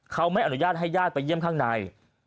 เขาไม่อนุญาตให้ญาติไปเยี่ยมข้างใน